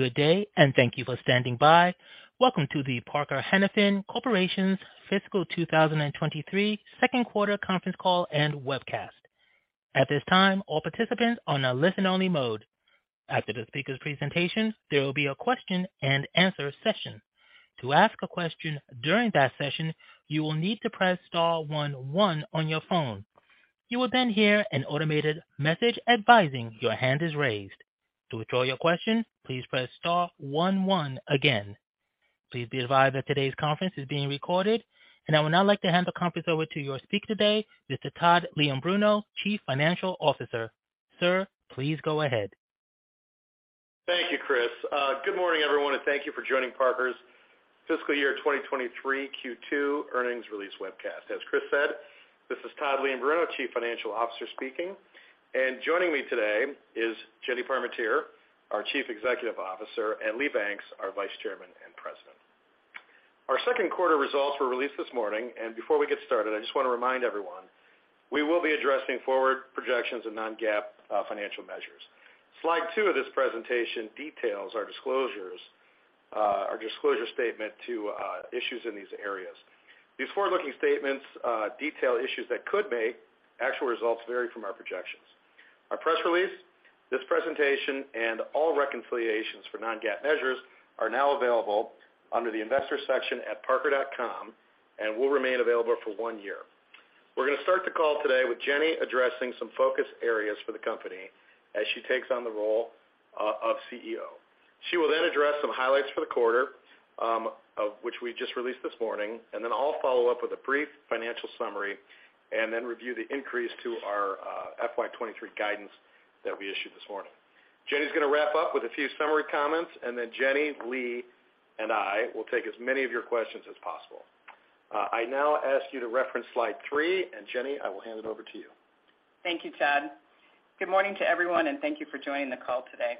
Good day, thank you for standing by. Welcome to the Parker-Hannifin Corporation's Fiscal 2023 Second Quarter Conference Call and Webcast. At this time, all participants are on a listen-only mode. After the speaker's presentation, there will be a question-and-answer session. To ask a question during that session, you will need to press star one one on your phone. You will then hear an automated message advising your hand is raised. To withdraw your question, please press star one one again. Please be advised that today's conference is being recorded. I would now like to hand the conference over to your speaker today, Mr. Todd Leombruno, Chief Financial Officer. Sir, please go ahead. Thank you, Chris. Good morning, everyone, and thank you for joining Parker's Fiscal Year 2023 Q2 Earnings Release Webcast. As Chris said, this is Todd Leombruno, Chief Financial Officer, speaking, and joining me today is Jennifer Parmentier, our Chief Executive Officer, and Lee Banks, our Vice Chairman and President. Our second quarter results were released this morning, and before we get started, I just want to remind everyone, we will be addressing forward projections of non-GAAP financial measures. Slide two of this presentation details our disclosures, our disclosure statement to issues in these areas. These forward-looking statements detail issues that could make actual results vary from our projections. Our press release, this presentation, and all reconciliations for non-GAAP measures are now available under the Investors section at parker.com and will remain available for one year. We're gonna start the call today with Jenny addressing some focus areas for the company as she takes on the role of CEO. She will then address some highlights for the quarter, of which we just released this morning, and then I'll follow up with a brief financial summary and then review the increase to our FY 2023 guidance that we issued this morning. Jenny's gonna wrap up with a few summary comments, and then Jenny, Lee, and I will take as many of your questions as possible. I now ask you to reference slide three. Jenny, I will hand it over to you. Thank you, Todd. Good morning to everyone, and thank you for joining the call today.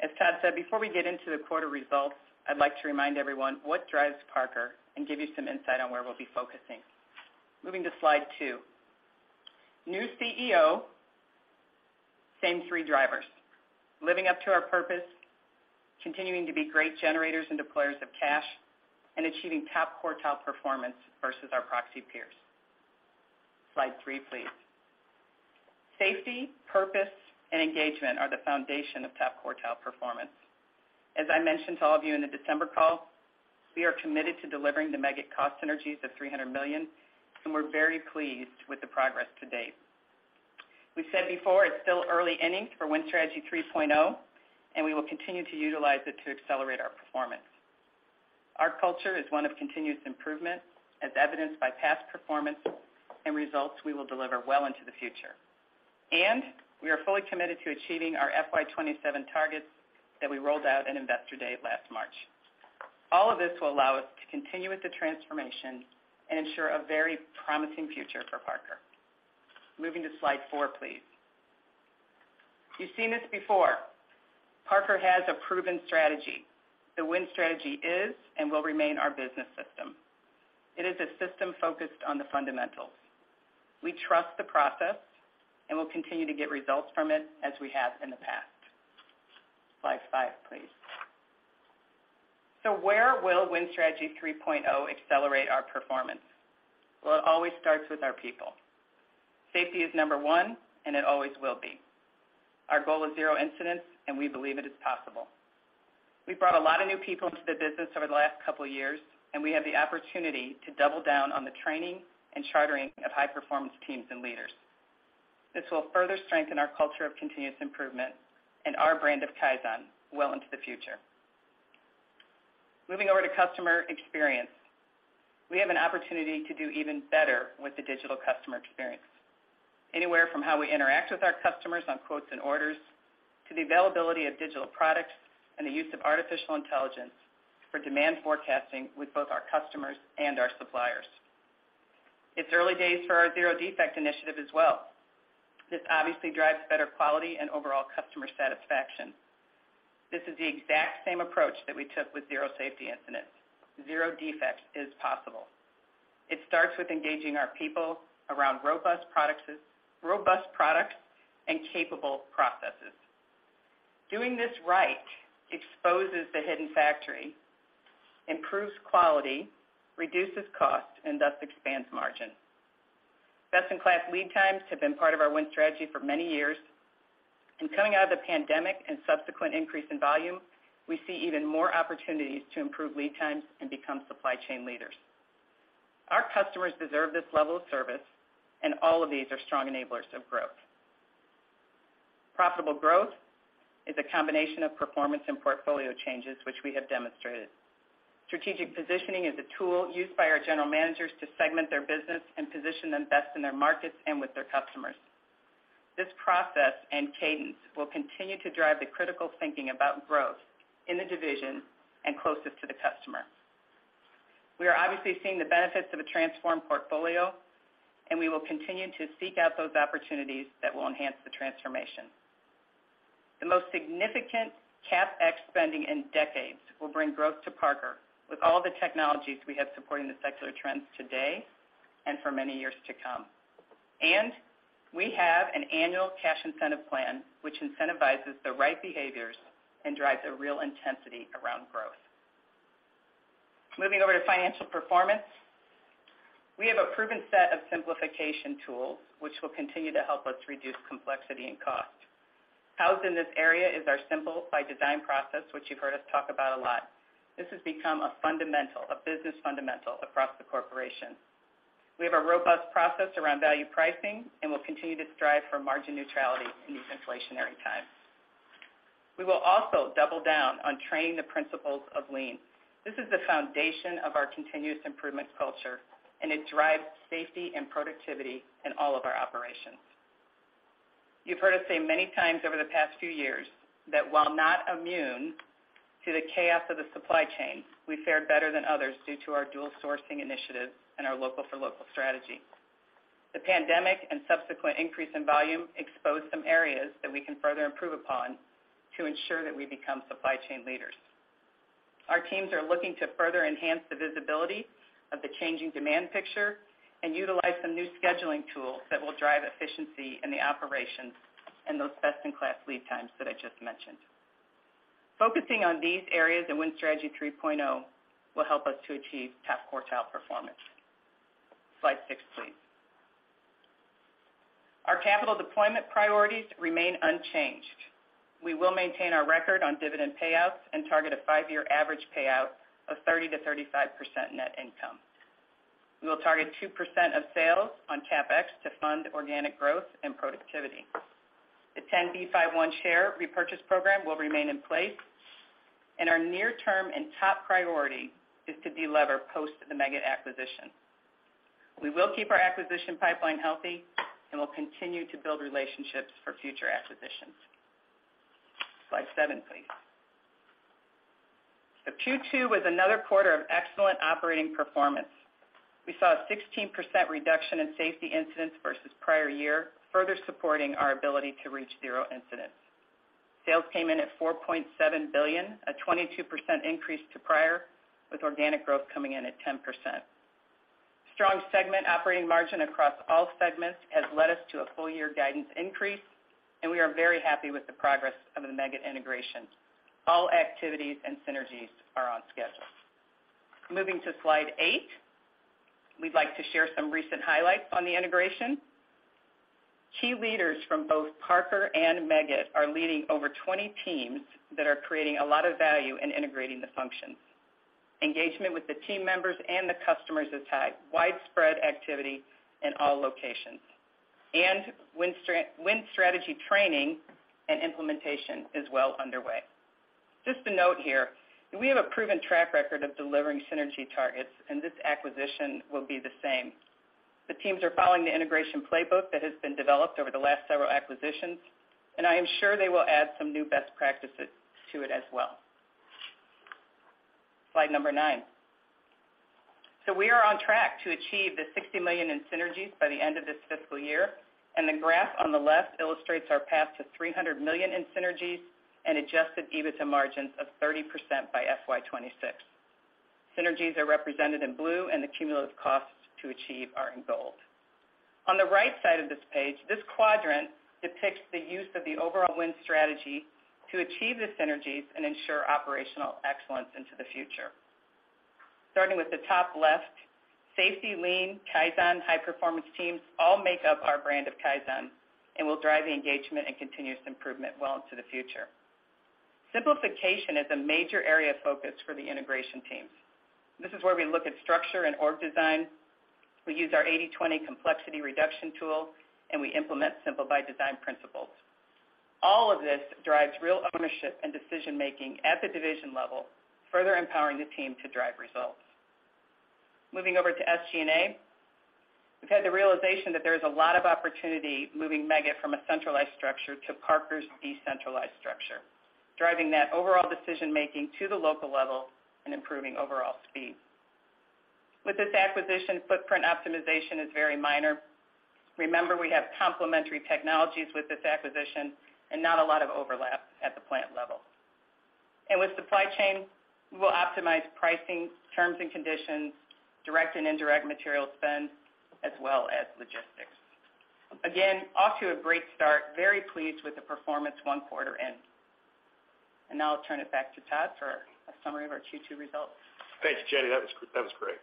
As Todd said, before we get into the quarter results, I'd like to remind everyone what drives Parker and give you some insight on where we'll be focusing. Moving to slide two. New CEO, same three drivers. Living up to our purpose, continuing to be great generators and deployers of cash, and achieving top quartile performance versus our proxy peers. Slide three, please. Safety, purpose, and engagement are the foundation of top quartile performance. As I mentioned to all of you in the December call, we are committed to delivering the Meggitt cost synergies of $300 million, and we're very pleased with the progress to date. We've said before, it's still early innings for Win Strategy 3.0, and we will continue to utilize it to accelerate our performance. Our culture is one of continuous improvement, as evidenced by past performance and results we will deliver well into the future. We are fully committed to achieving our FY 2027 targets that we rolled out at Investor Day last March. All of this will allow us to continue with the transformation and ensure a very promising future for Parker. Moving to slide four, please. You've seen this before. Parker has a proven strategy. The Win Strategy is and will remain our business system. It is a system focused on the fundamentals. We trust the process, and we'll continue to get results from it as we have in the past. Slide five, please. Where will Win Strategy 3.0 accelerate our performance? It always starts with our people. Safety is number one, and it always will be. Our goal is zero incidents, and we believe it is possible. We've brought a lot of new people into the business over the last couple years, and we have the opportunity to double down on the training and chartering of high-performance teams and leaders. This will further strengthen our culture of continuous improvement and our brand of Kaizen well into the future. Moving over to customer experience. We have an opportunity to do even better with the digital customer experience, anywhere from how we interact with our customers on quotes and orders, to the availability of digital products and the use of artificial intelligence for demand forecasting with both our customers and our suppliers. It's early days for our zero defect initiative as well. This obviously drives better quality and overall customer satisfaction. This is the exact same approach that we took with zero safety incidents. Zero defects is possible. It starts with engaging our people around robust products and capable processes. Doing this right exposes the hidden factory, improves quality, reduces cost, and thus expands margin. Best-in-class lead times have been part of our Win Strategy for many years, and coming out of the pandemic and subsequent increase in volume, we see even more opportunities to improve lead times and become supply chain leaders. Our customers deserve this level of service, and all of these are strong enablers of growth. Profitable growth is a combination of performance and portfolio changes, which we have demonstrated. Strategic positioning is a tool used by our general managers to segment their business and position them best in their markets and with their customers. This process and cadence will continue to drive the critical thinking about growth in the division and closest to the customer. We are obviously seeing the benefits of a transformed portfolio, and we will continue to seek out those opportunities that will enhance the transformation. The most significant CapEx spending in decades will bring growth to Parker with all the technologies we have supporting the secular trends today and for many years to come. We have an annual cash incentive plan, which incentivizes the right behaviors and drives a real intensity around growth. Moving over to financial performance. We have a proven set of simplification tools, which will continue to help us reduce complexity and cost. Housed in this area is our Simple by Design process, which you've heard us talk about a lot. This has become a fundamental, a business fundamental across the corporation. We have a robust process around value pricing, and we'll continue to strive for margin neutrality in these inflationary times. We will also double down on training the principles of lean. This is the foundation of our continuous improvement culture. It drives safety and productivity in all of our operations. You've heard us say many times over the past few years that while not immune to the chaos of the supply chain, we fared better than others due to our dual sourcing initiatives and our local for local strategy. The pandemic and subsequent increase in volume exposed some areas that we can further improve upon to ensure that we become supply chain leaders. Our teams are looking to further enhance the visibility of the changing demand picture and utilize some new scheduling tools that will drive efficiency in the operations and those best-in-class lead times that I just mentioned. Focusing on these areas and Win Strategy 3.0 will help us to achieve top quartile performance. Slide six, please. Our capital deployment priorities remain unchanged. We will maintain our record on dividend payouts and target a five-year average payout of 30%-35% net income. We will target 2% of sales on CapEx to fund organic growth and productivity. The 10b5-1 share repurchase program will remain in place, and our near-term and top priority is to delever post the Meggitt acquisition. We will keep our acquisition pipeline healthy, and we'll continue to build relationships for future acquisitions. Slide seven, please. Q2 was another quarter of excellent operating performance. We saw a 16% reduction in safety incidents versus prior year, further supporting our ability to reach zero incidents. Sales came in at $4.7 billion, a 22% increase to prior, with organic growth coming in at 10%. Strong segment operating margin across all segments has led us to a full-year guidance increase. We are very happy with the progress of the Meggitt integration. All activities and synergies are on schedule. Moving to slide eight, we'd like to share some recent highlights on the integration. Key leaders from both Parker and Meggitt are leading over 20 teams that are creating a lot of value in integrating the functions. Engagement with the team members and the customers has had widespread activity in all locations. Win Strategy training and implementation is well underway. Just to note here, we have a proven track record of delivering synergy targets. This acquisition will be the same. The teams are following the integration playbook that has been developed over the last several acquisitions. I am sure they will add some new best practices to it as well. Slide number nine. We are on track to achieve the $60 million in synergies by the end of this fiscal year, and the graph on the left illustrates our path to $300 million in synergies and adjusted EBITDA margins of 30% by FY 2026. Synergies are represented in blue, and the cumulative costs to achieve are in gold. On the right side of this page, this quadrant depicts the use of the overall Win Strategy to achieve the synergies and ensure operational excellence into the future. Starting with the top left, safety, lean, Kaizen, high-performance teams all make up our brand of Kaizen and will drive the engagement and continuous improvement well into the future. Simplification is a major area of focus for the integration teams. This is where we look at structure and org design. We use our 80/20 complexity reduction tool. We implement Simple by Design principles. All of this drives real ownership and decision-making at the division level, further empowering the team to drive results. Moving over to SG&A, we've had the realization that there's a lot of opportunity moving Meggitt from a centralized structure to Parker's decentralized structure, driving that overall decision-making to the local level and improving overall speed. With this acquisition, footprint optimization is very minor. Remember, we have complementary technologies with this acquisition and not a lot of overlap at the plant level. With supply chain, we'll optimize pricing, terms and conditions, direct and indirect material spend, as well as logistics. Again, off to a great start, very pleased with the performance one quarter in. Now I'll turn it back to Todd for a summary of our Q2 results. Thanks, Jenny. That was great.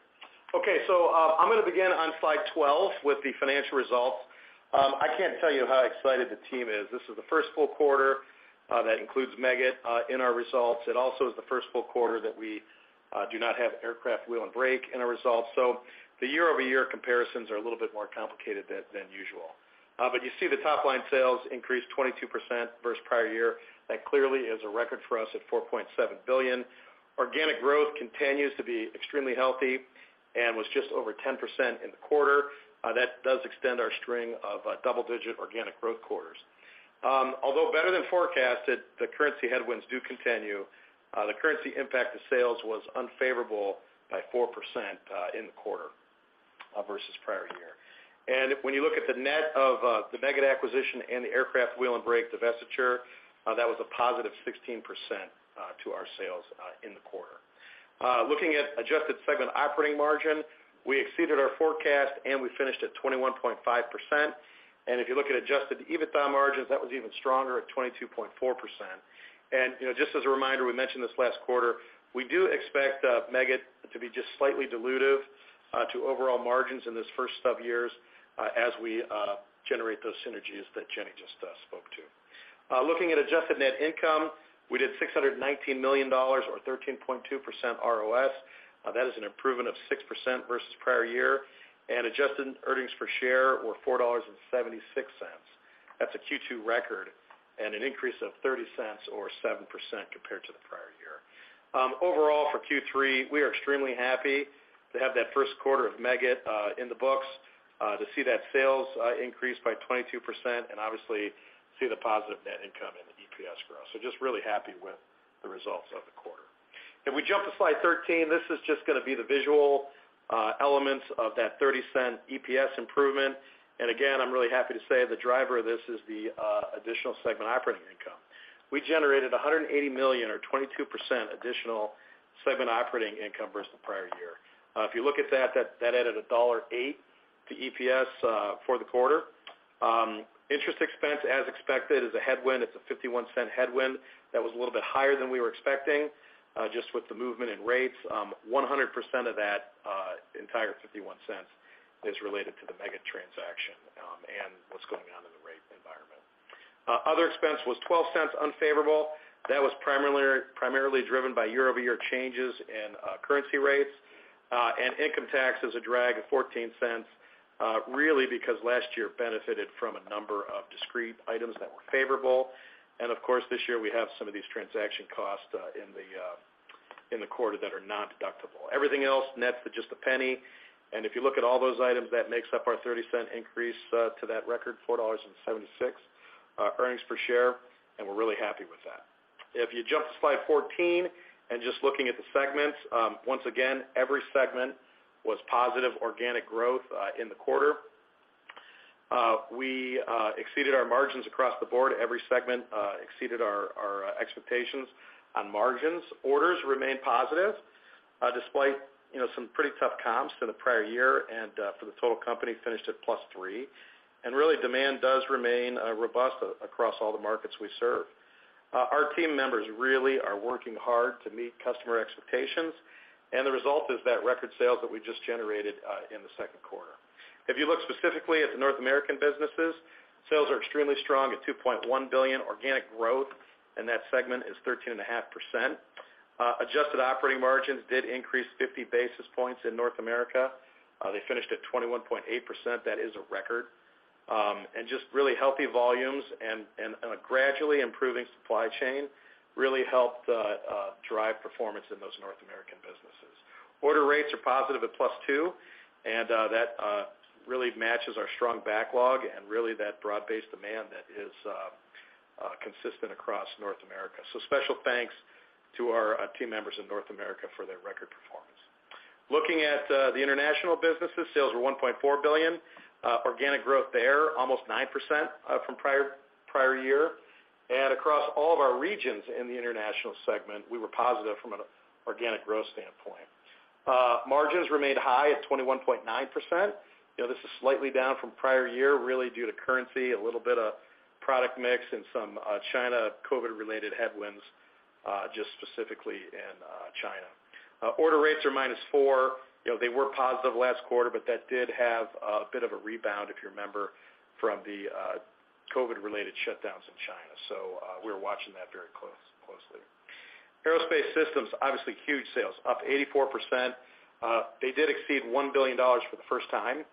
Okay, I'm gonna begin on slide 12 with the financial results. I can't tell you how excited the team is. This is the first full quarter that includes Meggitt in our results. It also is the first full quarter that we do not have Aircraft Wheel & Brake in our results. The year-over-year comparisons are a little bit more complicated than usual. You see the top line sales increased 22% versus prior year. That clearly is a record for us at $4.7 billion. Organic growth continues to be extremely healthy and was just over 10% in the quarter. That does extend our string of double-digit organic growth quarters. Although better than forecasted, the currency headwinds do continue. The currency impact to sales was unfavorable by 4% in the quarter versus prior year. When you look at the net of the Meggitt acquisition and the Aircraft Wheel & Brake divestiture, that was a positive 16% to our sales in the quarter. Looking at adjusted segment operating margin, we exceeded our forecast, and we finished at 21.5%. If you look at adjusted EBITDA margins, that was even stronger at 22.4%. You know, just as a reminder, we mentioned this last quarter, we do expect Meggitt to be just slightly dilutive to overall margins in this first sub years, as we generate those synergies that Jenny just spoke to. Looking at adjusted net income, we did $619 million or 13.2% ROS. That is an improvement of 6% versus prior year. Adjusted earnings per share were $4.76. That's a Q2 record and an increase of $0.30 or 7% compared to the prior year. Overall, for Q3, we are extremely happy to have that first quarter of Meggitt in the books, to see that sales increase by 22%, and obviously see the positive net income in the EPS growth. Just really happy with the results of the quarter. If we jump to slide 13, this is just gonna be the visual elements of that $0.30 EPS improvement. Again, I'm really happy to say the driver of this is the additional segment operating income. We generated $180 million or 22% additional segment operating income versus the prior year. If you look at that added $1.08 to EPS for the quarter. Interest expense, as expected, is a headwind. It's a $0.51 headwind that was a little bit higher than we were expecting, just with the movement in rates. 100% of that entire $0.51 is related to the Meggitt transaction, and what's going on in the rate environment. Other expense was $0.12 unfavorable. That was primarily driven by year-over-year changes in currency rates. Income tax is a drag of $0.14, really because last year benefited from a number of discrete items that were favorable. Of course, this year we have some of these transaction costs in the quarter that are nondeductible. Everything else nets at just a penny. If you look at all those items, that makes up our $0.30 increase to that record, $4.76 earnings per share, and we're really happy with that. If you jump to slide 14, and just looking at the segments, once again, every segment was positive organic growth in the quarter. We exceeded our margins across the board. Every segment exceeded our expectations on margins. Orders remain positive, despite, you know, some pretty tough comps than the prior year and for the total company finished at +3%. Really, demand does remain robust across all the markets we serve. Our team members really are working hard to meet customer expectations, and the result is that record sales that we just generated in the second quarter. If you look specifically at the North American businesses, sales are extremely strong at $2.1 billion. Organic growth in that segment is 13.5%. Adjusted operating margins did increase 50 basis points in North America. They finished at 21.8%. That is a record. Just really healthy volumes and a gradually improving supply chain really helped drive performance in those North American businesses. Order rates are positive at +2%, that really matches our strong backlog and really that broad-based demand that is consistent across North America. Special thanks to our team members in North America for their record performance. Looking at the international businesses, sales were $1.4 billion. Organic growth there, almost 9%, from prior year. Across all of our regions in the international segment, we were positive from an organic growth standpoint. Margins remained high at 21.9%. You know, this is slightly down from prior year, really due to currency, a little bit of product mix, and some China COVID-related headwinds, just specifically in China. Order rates are -4%. You know, they were positive last quarter, but that did have a bit of a rebound, if you remember, from the COVID-related shutdowns in China. We're watching that very closely. Aerospace Systems, obviously huge sales, up 84%. They did exceed $1 billion for the first time.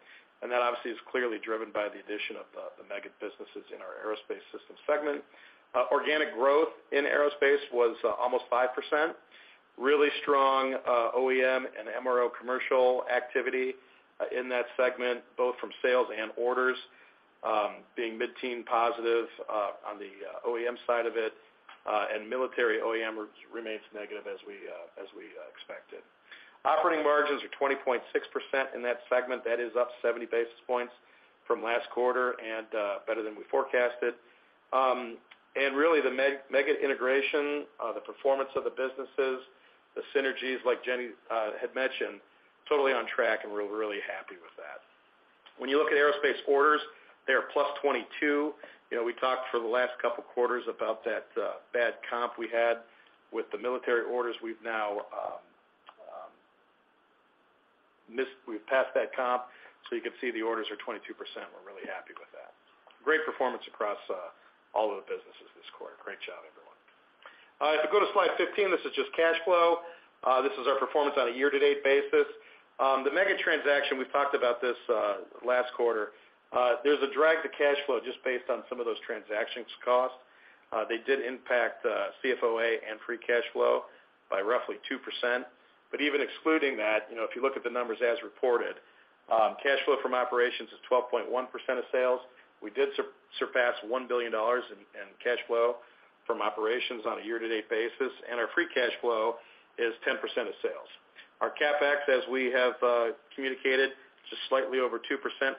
That obviously is clearly driven by the addition of the Meggitt businesses in our Aerospace Systems segment. Organic growth in aerospace was almost 5%. Really strong OEM and MRO commercial activity in that segment, both from sales and orders, being mid-teen positive on the OEM side of it, and military OEM remains negative as we expected. Operating margins are 20.6% in that segment. That is up 70 basis points from last quarter and better than we forecasted. Really the Meggitt integration, the performance of the businesses, the synergies like Jenny had mentioned, totally on track, and we're really happy with that. When you look at aerospace orders, they are +22. You know, we talked for the last couple quarters about that bad comp we had with the military orders. We've now passed that comp, so you can see the orders are 22%. We're really happy with that. Great performance across all of the businesses this quarter. Great job, everyone. If you go to slide 15, this is just cash flow. This is our performance on a year-to-date basis. The Meggitt transaction, we talked about this last quarter. There's a drag to cash flow just based on some of those transactions costs. They did impact CFOA and free cash flow by roughly 2%. Even excluding that, you know, if you look at the numbers as reported, cash flow from operations is 12.1% of sales. We did surpass $1 billion in cash flow from operations on a year-to-date basis, and our free cash flow is 10% of sales. Our CapEx, as we have communicated, just slightly over 2%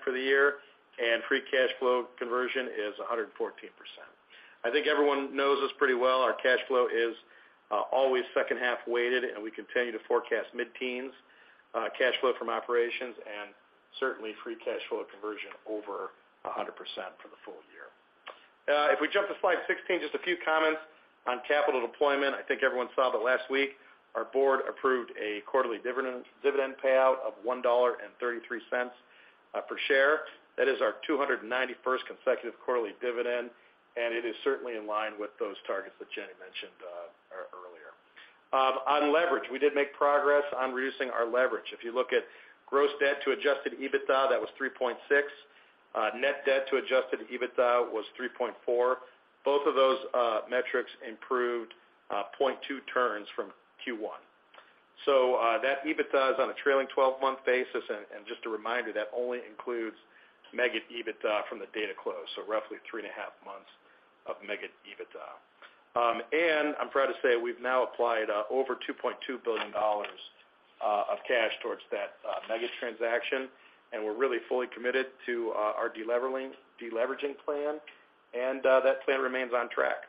for the year, and free cash flow conversion is 114%. I think everyone knows this pretty well. Our cash flow is always second half weighted, and we continue to forecast mid-teens cash flow from operations and certainly free cash flow conversion over 100% for the full year. If we jump to slide 16, just a few comments on capital deployment. I think everyone saw that last week our board approved a quarterly dividend payout of $1.33 per share. That is our 291st consecutive quarterly dividend. It is certainly in line with those targets that Jenny mentioned earlier. On leverage, we did make progress on reducing our leverage. If you look at gross debt to adjusted EBITDA, that was 3.6. Net debt to adjusted EBITDA was 3.4. Both of those metrics improved 0.2 turns from Q1. That EBITDA is on a trailing 12-month basis. Just a reminder, that only includes Meggitt EBITDA from the date of close, so roughly 3.5 months of Meggitt EBITDA. I'm proud to say we've now applied over $2.2 billion of cash towards that Meggitt transaction. We're really fully committed to our deleveraging plan. That plan remains on track.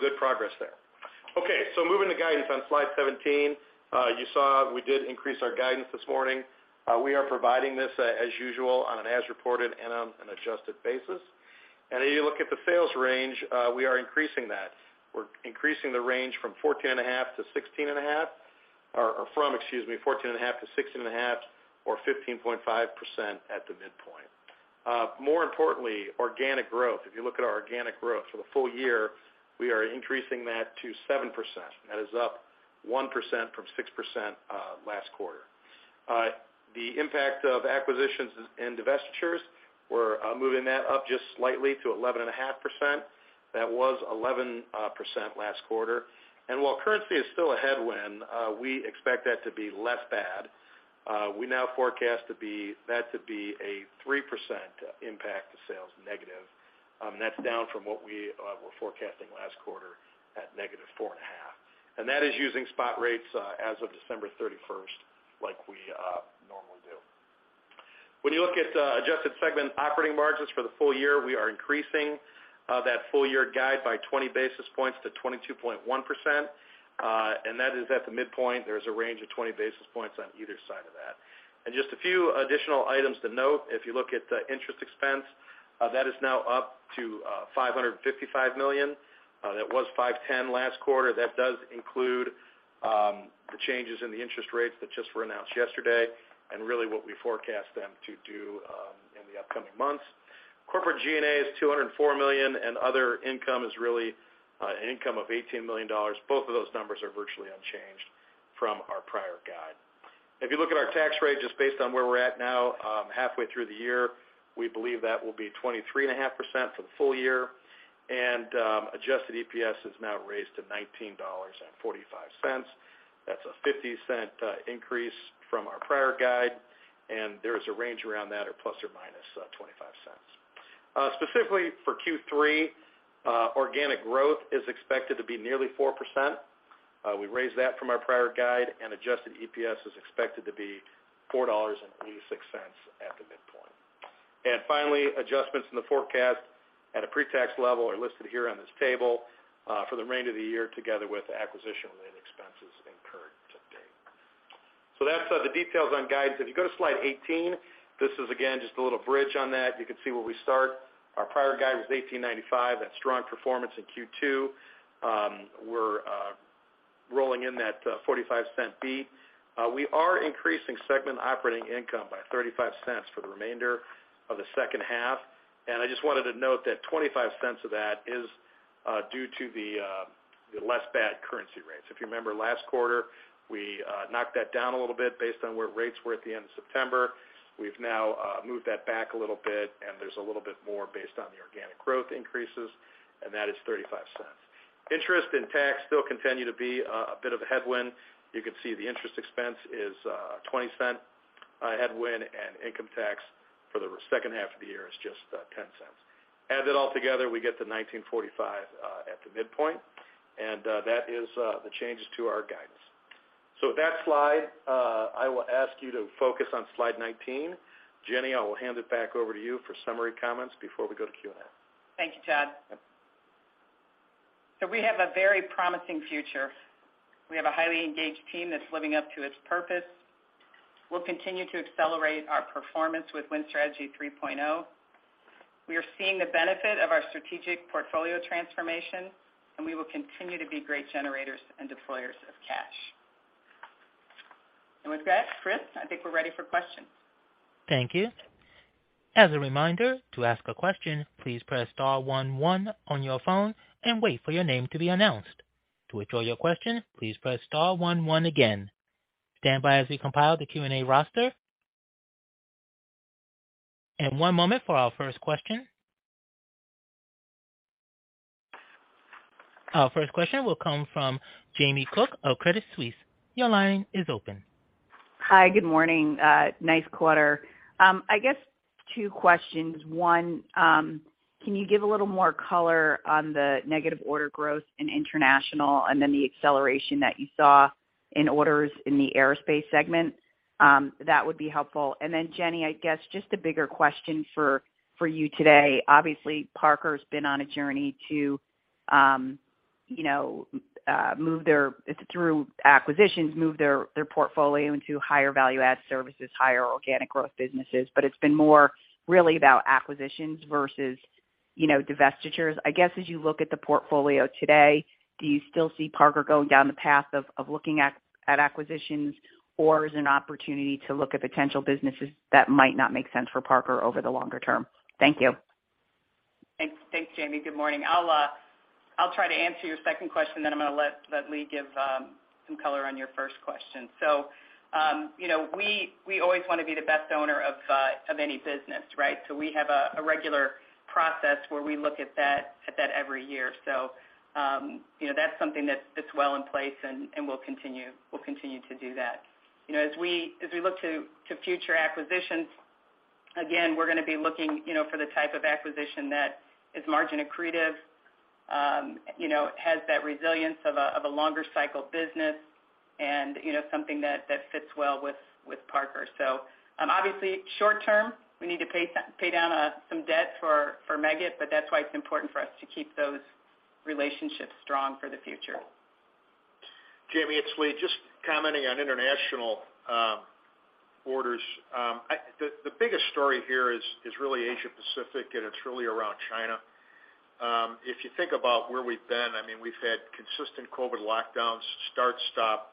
Good progress there. Moving to guidance on slide 17. You saw we did increase our guidance this morning. We are providing this as usual on an as reported and on an adjusted basis. If you look at the sales range, we are increasing that. We're increasing the range from 14.5%-16.5%, or from, excuse me, 14.5%-16.5%, or 15.5% at the midpoint. More importantly, organic growth. If you look at our organic growth for the full year, we are increasing that to 7%. That is up 1% from 6%, last quarter. The impact of acquisitions and divestitures, we're moving that up just slightly to 11.5%. That was 11% last quarter. While currency is still a headwind, we expect that to be less bad. We now forecast that to be a 3% impact to sales negative. That's down from what we were forecasting last quarter at negative 4.5%. That is using spot rates as of December 31st, like we normally do. When you look at adjusted segment operating margins for the full year, we are increasing that full year guide by 20 basis points to 22.1%. That is at the midpoint. There's a range of 20 basis points on either side of that. Just a few additional items to note. If you look at interest expense, that is now up to $555 million. That was $510 last quarter. That does include the changes in the interest rates that just were announced yesterday and really what we forecast them to do in the upcoming months. Corporate G&A is $204 million, and other income is really an income of $18 million. Both of those numbers are virtually unchanged from our prior guide. If you look at our tax rate, just based on where we're at now, halfway through the year, we believe that will be 23.5% for the full year. Adjusted EPS is now raised to $19.45. That's a $0.50 increase from our prior guide, and there's a range around that of plus or minus $0.25. Specifically for Q3, organic growth is expected to be nearly 4%. We raised that from our prior guide. Adjusted EPS is expected to be $4.86 at the midpoint. Finally, adjustments in the forecast at a pre-tax level are listed here on this table for the remainder of the year, together with acquisition-related expenses incurred to date. That's the details on guidance. If you go to slide 18, this is again just a little bridge on that. You can see where we start. Our prior guide was $18.95. That's strong performance in Q2. We're rolling in that $0.45 beat. We are increasing segment operating income by $0.35 for the remainder of the second half. I just wanted to note that $0.25 of that is due to the less bad currency rates. If you remember last quarter, we knocked that down a little bit based on where rates were at the end of September. We've now moved that back a little bit, and there's a little bit more based on the organic growth increases, and that is $0.35. Interest and tax still continue to be a bit of a headwind. You can see the interest expense is $0.20 headwind, and income tax for the second half of the year is just $0.10. Add that all together, we get to $19.45 at the midpoint, and that is the changes to our guidance. With that slide, I will ask you to focus on slide 19. Jenny, I will hand it back over to you for summary comments before we go to Q&A. Thank you, Todd. Yep. We have a very promising future. We have a highly engaged team that's living up to its purpose. We'll continue to accelerate our performance with Win Strategy 3.0. We are seeing the benefit of our strategic portfolio transformation, and we will continue to be great generators and deployers of cash. With that, Chris, I think we're ready for questions. Thank you. As a reminder, to ask a question, please press star one one on your phone and wait for your name to be announced. To withdraw your question, please press star one one again. Stand by as we compile the Q&A roster. One moment for our first question. Our first question will come from Jamie Cook of Credit Suisse. Your line is open. Hi, good morning. Nice quarter. I guess two questions. One, can you give a little more color on the negative order growth in international, and then the acceleration that you saw in orders in the Aerospace Systems segment? That would be helpful. Jenny, I guess just a bigger question for you today. Obviously, Parker's been on a journey to, you know, through acquisitions, move their portfolio into higher value-add services, higher organic growth businesses, but it's been more really about acquisitions versus, you know, divestitures. I guess, as you look at the portfolio today, do you still see Parker going down the path of looking at acquisitions, or is it an opportunity to look at potential businesses that might not make sense for Parker over the longer-term? Thank you. Thanks. Thanks, Jamie. Good morning. I'll try to answer your second question, then I'm gonna let Lee give some color on your first question. You know, we always wanna be the best owner of any business, right? We have a regular process where we look at that every year. You know, that's something that's well in place, and we'll continue to do that. You know, as we look to future acquisitions, again, we're gonna be looking, you know, for the type of acquisition that is margin accretive, you know, has that resilience of a longer cycle business and, you know, something that fits well with Parker. Obviously, short-term, we need to pay down some debt for Meggitt, but that's why it's important for us to keep those relationships strong for the future. Jamie, it's Lee. Just commenting on international orders. The biggest story here is really Asia Pacific, and it's really around China. If you think about where we've been, I mean, we've had consistent COVID lockdowns, start, stop,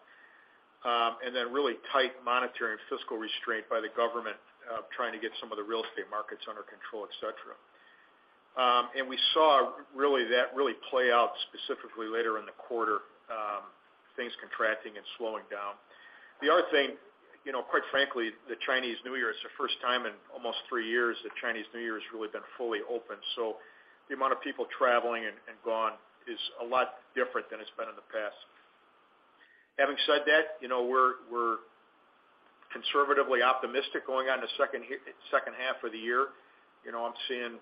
and then really tight monetary and fiscal restraint by the government, trying to get some of the real estate markets under control, et cetera. We saw really that really play out specifically later in the quarter, things contracting and slowing down. The other thing, you know, quite frankly, the Chinese New Year, it's the first time in almost 3 years that Chinese New Year has really been fully open. The amount of people traveling and gone is a lot different than it's been in the past. Having said that, you know, we're conservatively optimistic going on the second half of the year. I'm seeing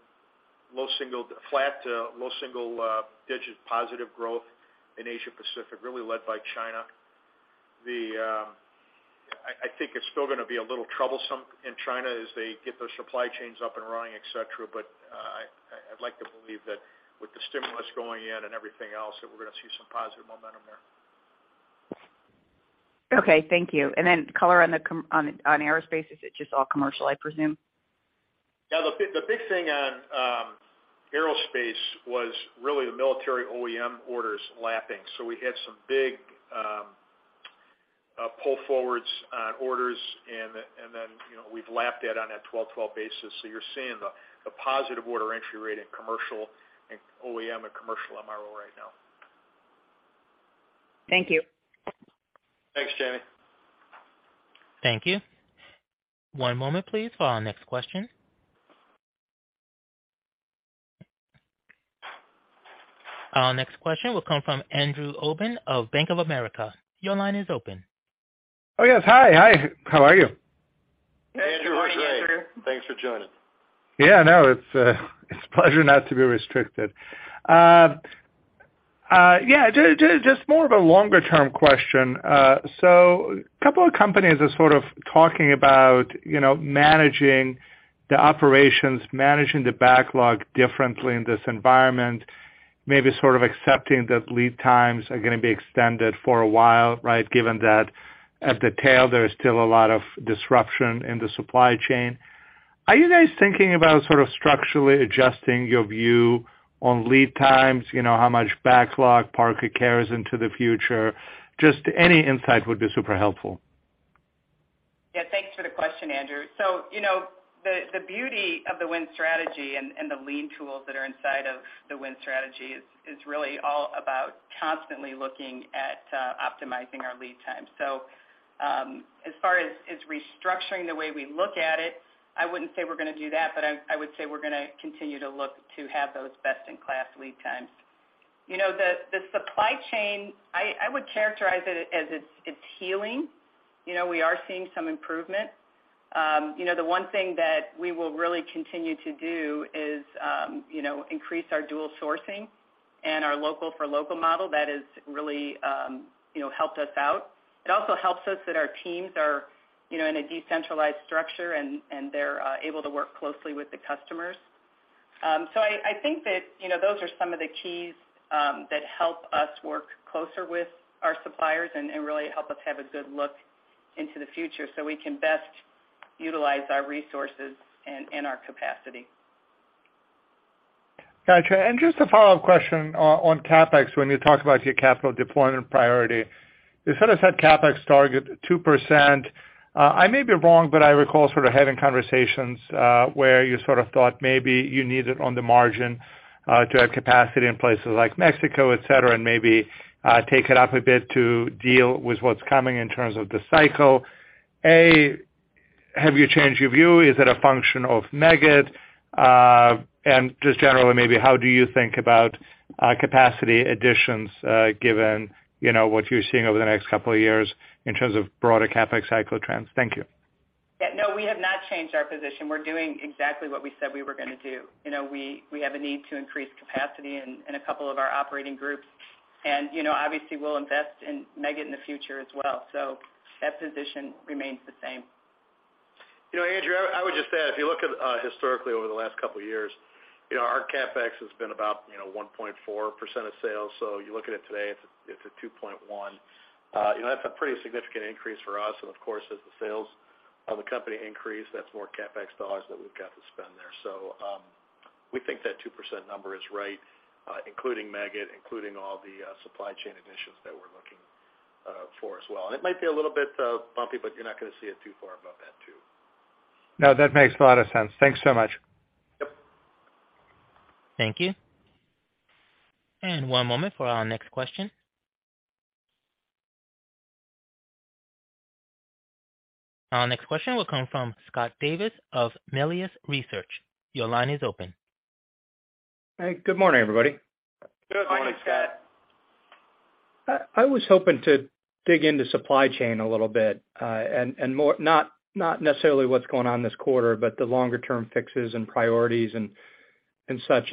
flat to low single digit positive growth in Asia Pacific, really led by China. I think it's still gonna be a little troublesome in China as they get their supply chains up and running, et cetera. I'd like to believe that with the stimulus going in and everything else, that we're gonna see some positive momentum there. Okay. Thank you. Then color on aerospace. Is it just all commercial, I presume? Yeah. The big thing on aerospace was really the military OEM orders lapping. We had some big pull forwards on orders and then, you know, we've lapped that on a twelve-twelve basis. You're seeing the positive order entry rate in commercial and OEM and commercial MRO right now. Thank you. Thanks, Jamie. Thank you. One moment please for our next question. Our next question will come from Andrew Obin of Bank of America. Your line is open. Oh, yes. Hi. Hi. How are you? Hey, Andrew. Hey. Thanks for joining. I know. It's a pleasure not to be restricted. Yeah, just more of a longer term question. A couple of companies are sort of talking about, you know, managing the operations, managing the backlog differently in this environment, maybe sort of accepting that lead times are gonna be extended for a while, right? Given that at the tail, there is still a lot of disruption in the supply chain. Are you guys thinking about sort of structurally adjusting your view on lead times? You know, how much backlog Parker carries into the future? Any insight would be super helpful. Thanks for the question, Andrew. You know, the beauty of The Win Strategy and the lean tools that are inside of The Win Strategy is really all about constantly looking at optimizing our lead time. As far as restructuring the way we look at it, I wouldn't say we're gonna do that, but I would say we're gonna continue to look to have those best-in-class lead times. You know, the supply chain, I would characterize it as it's healing. You know, we are seeing some improvement. You know, the one thing that we will really continue to do is increase our dual sourcing and our local for local model that has really, you know, helped us out. It also helps us that our teams are, you know, in a decentralized structure and they're able to work closely with the customers. I think that, you know, those are some of the keys that help us work closer with our suppliers and really help us have a good look into the future so we can best utilize our resources and our capacity. Got you. Just a follow-up question on CapEx when you talk about your capital deployment priority. You said I said CapEx target 2%. I may be wrong, but I recall sort of having conversations where you sort of thought maybe you need it on the margin to have capacity in places like Mexico, et cetera, and maybe take it up a bit to deal with what's coming in terms of the cycle. Have you changed your view? Is it a function of Meggitt? Just generally maybe how do you think about capacity additions given, you know, what you're seeing over the next couple of years in terms of broader CapEx cycle trends? Thank you. Yeah. No, we have not changed our position. We're doing exactly what we said we were gonna do. You know, we have a need to increase capacity in a couple of our operating groups. You know, obviously we'll invest in Meggitt in the future as well. That position remains the same. You know, Andrew, I would just add, if you look at historically over the last couple of years, our CapEx has been about 1.4% of sales. You look at it today, it's at 2.1. That's a pretty significant increase for us. Of course, as the sales of the company increase, that's more CapEx dollars that we've got to spend there. We think that 2% number is right, including Meggitt, including all the supply chain initiatives that we're looking for as well. It might be a little bit bumpy, but you're not gonna see it too far above that two. No, that makes a lot of sense. Thanks so much. Yep. Thank you. One moment for our next question. Our next question will come from Scott Davis of Melius Research. Your line is open. Hey, good morning, everybody. Good morning. Good morning, Scott. I was hoping to dig into supply chain a little bit, and not necessarily what's going on this quarter, but the longer-term fixes and priorities and such.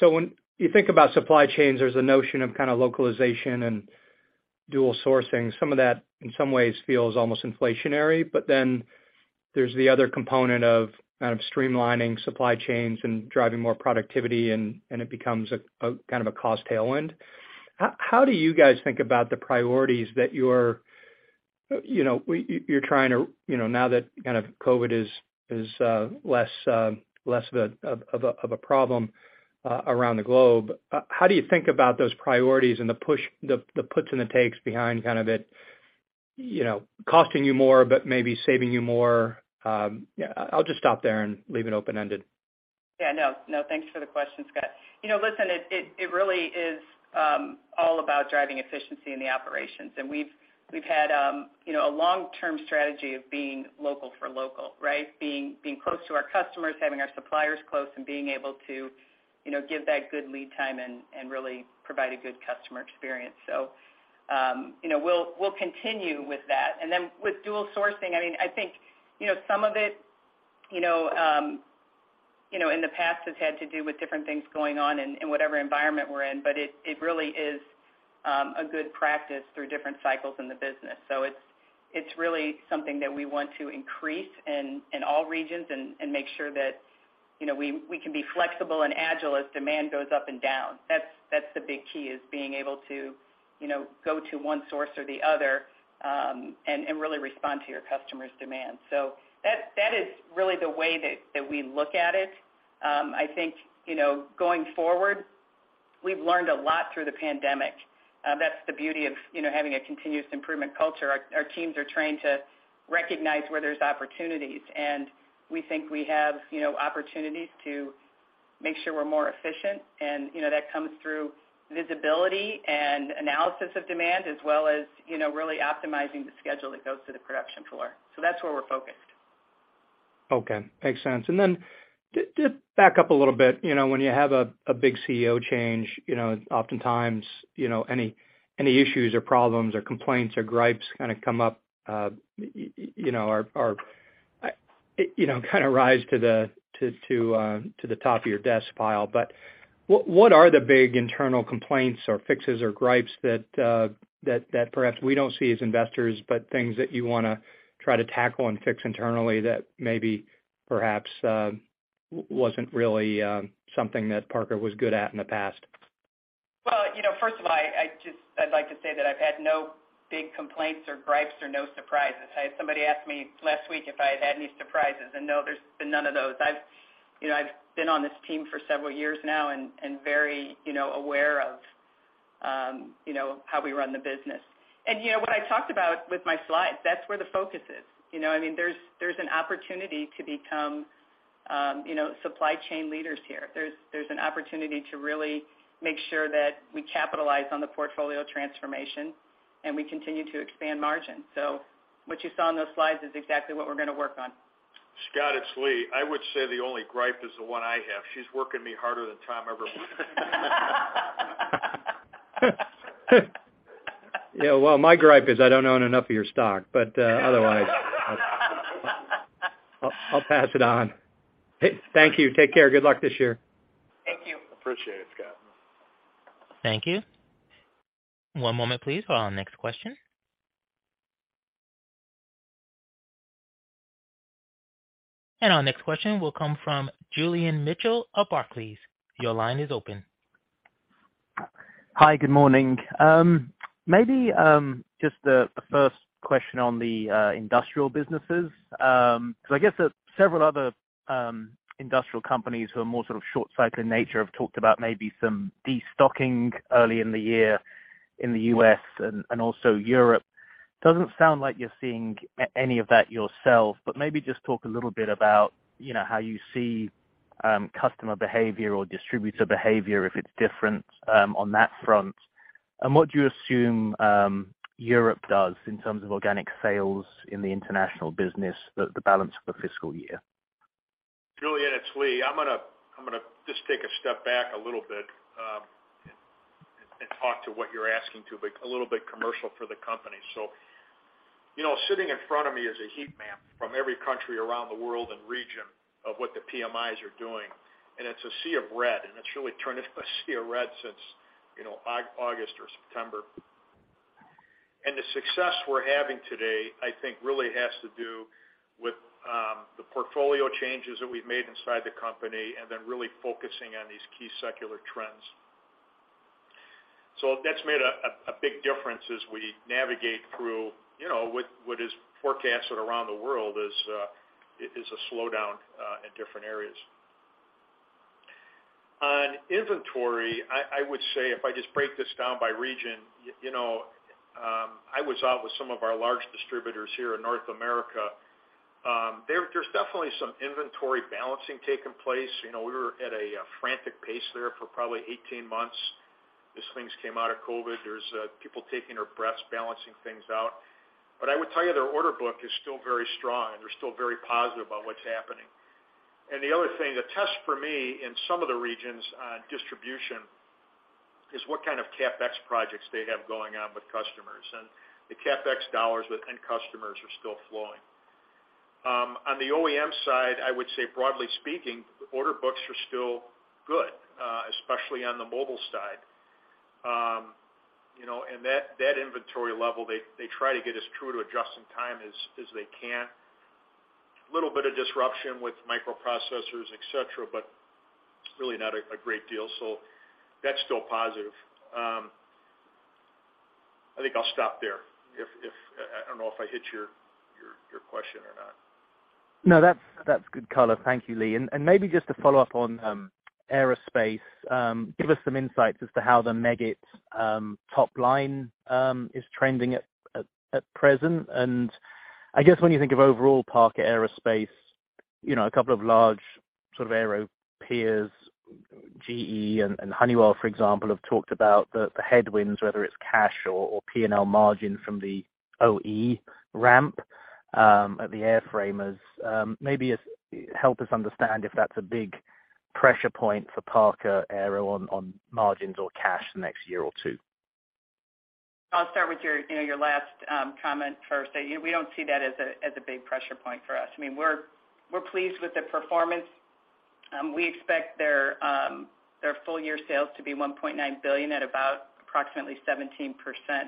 When you think about supply chains, there's a notion of kind of localization and dual sourcing. Some of that in some ways feels almost inflationary. There's the other component of kind of streamlining supply chains and driving more productivity and it becomes a kind of a cost tailwind. How do you guys think about the priorities that you're, you know, you're trying to, you know, now that kind of COVID is less of a problem around the globe, how do you think about those priorities and the push, the puts and the takes behind kind of it, you know, costing you more but maybe saving you more? Yeah, I'll just stop there and leave it open-ended. Yeah. No, no, thanks for the question, Scott. You know, listen, it really is all about driving efficiency in the operations. We've had, you know, a long-term strategy of being local for local, right? Being close to our customers, having our suppliers close, and being able to, you know, give that good lead time and really provide a good customer experience. You know, we'll continue with that. Then with dual sourcing, I mean, I think, you know, some of it, you know, in the past has had to do with different things going on in whatever environment we're in, but it really is a good practice through different cycles in the business. It's really something that we want to increase in all regions and make sure that, you know, we can be flexible and agile as demand goes up and down. That's the big key, is being able to, you know, go to one source or the other, and really respond to your customers' demands. That is really the way that we look at it. I think, you know, going forward, we've learned a lot through the pandemic. That's the beauty of, you know, having a continuous improvement culture. Our teams are trained to recognize where there's opportunities, and we think we have, you know, opportunities to make sure we're more efficient. You know, that comes through visibility and analysis of demand, as well as, you know, really optimizing the schedule that goes to the production floor. That's where we're focused. Okay. Makes sense. To back up a little bit, you know, when you have a big CEO change, you know, oftentimes, you know, any issues or problems or complaints or gripes kind of come up, you know, are, you know, kind of rise to the top of your desk file. What are the big internal complaints or fixes or gripes that perhaps we don't see as investors, but things that you wanna try to tackle and fix internally that maybe perhaps wasn't really something that Parker was good at in the past? Well, you know, first of all, I'd like to say that I've had no big complaints or gripes or no surprises. I had somebody ask me last week if I had any surprises, and no, there's been none of those. I've, you know, I've been on this team for several years now and very, you know, aware of, you know, how we run the business. You know, what I talked about with my slides, that's where the focus is. You know, I mean, there's an opportunity to become, you know, supply chain leaders here. There's an opportunity to really make sure that we capitalize on the portfolio transformation, and we continue to expand margin. What you saw in those slides is exactly what we're gonna work on. Scott, it's Lee. I would say the only gripe is the one I have. She's working me harder than Tom ever. Yeah, well, my gripe is I don't own enough of your stock, but otherwise I'll pass it on. Thank you. Take care. Good luck this year. Thank you. Appreciate it, Scott. Thank you. One moment please for our next question. Our next question will come from Julian Mitchell of Barclays. Your line is open. Hi, good morning. maybe just a first question on the industrial businesses. I guess that several other industrial companies who are more sort of short cycle in nature have talked about maybe some destocking early in the year in the U.S. and also Europe. Doesn't sound like you're seeing any of that yourself, but maybe just talk a little bit about, you know, how you see customer behavior or distributor behavior, if it's different on that front. What do you assume Europe does in terms of organic sales in the international business, the balance of the fiscal year? Julian, it's Lee. I'm gonna just take a step back a little bit, and talk to what you're asking to, a little bit commercial for the company. You know, sitting in front of me is a heat map from every country around the world and region of what the PMIs are doing, and it's a sea of red, and it's really turned into a sea of red since, you know, August or September. The success we're having today, I think, really has to do with the portfolio changes that we've made inside the company, really focusing on these key secular trends. That's made a big difference as we navigate through, you know, what is forecasted around the world as a slowdown in different areas. On inventory, I would say if I just break this down by region, you know, I was out with some of our large distributors here in North America. There's definitely some inventory balancing taking place. You know, we were at a frantic pace there for probably 18 months as things came out of COVID. There's people taking their breaths, balancing things out. I would tell you their order book is still very strong, and they're still very positive about what's happening. The other thing, the test for me in some of the regions on distribution is what kind of CapEx projects they have going on with customers. The CapEx dollars with end customers are still flowing. On the OEM side, I would say, broadly speaking, the order books are still good, especially on the mobile side. You know, and that inventory level, they try to get as true to adjusting time as they can. Little bit of disruption with microprocessors, et cetera, but really not a great deal. That's still positive. I think I'll stop there if... I don't know if I hit your question or not? No, that's good color. Thank you, Lee. Maybe just to follow up on aerospace, give us some insights as to how the Meggitt top line is trending at present. I guess when you think of overall Parker Aerospace, you know, a couple of large sort of aero peers, GE and Honeywell, for example, have talked about the headwinds, whether it's cash or P&L margin from the OE ramp at the airframers. Maybe just help us understand if that's a big pressure point for Parker Aerospace on margins or cash the next year or two. I'll start with your, you know, your last comment first. Yeah, we don't see that as a big pressure point for us. I mean, we're pleased with the performance. We expect their full year sales to be $1.9 billion at about approximately 17%